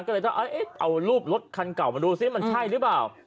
ก็เลยต้องเอารูปรถคันเก่ามาดูซิมันใช่หรือเปล่า